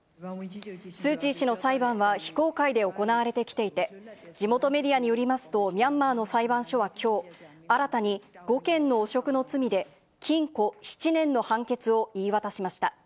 スー・チー氏の裁判は非公開で行われてきていて、地元メディアによりますと、ミャンマーの裁判所はきょう、新たに５件の汚職の罪で、禁錮７年の判決を言い渡しました。